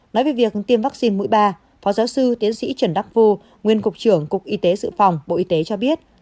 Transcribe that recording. nói về việc tiêm vaccine mũi ba phó giáo sư tiến sĩ trần đắc phu nguyên cục trưởng cục y tế dự phòng bộ y tế cho biết